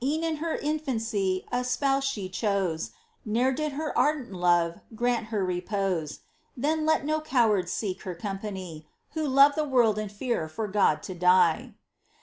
E'en in her infancy A Spouse she chose ; Ne'er did her ardent love Grant her repose. Then let no cowards seek Her company, Who love the world and fear For God to die